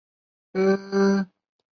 担任过崎玉电视台评论员等职务。